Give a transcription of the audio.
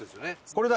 これだ。